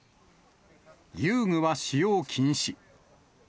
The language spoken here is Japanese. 遊具は使用禁止。